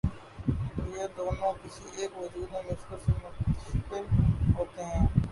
یہ دونوں کسی ایک وجود میں مشکل سے متشکل ہوتے ہیں۔